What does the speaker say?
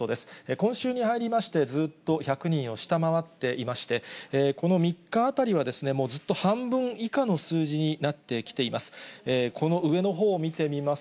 今週に入りまして、ずーっと１００人を下回っていまして、この３日あたりは、もうずっと半分以下の数字になってきています。